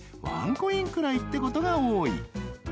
ワンコインくらいってことが多い